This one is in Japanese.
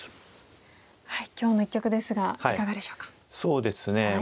今日の一局ですがいかがでしょうか？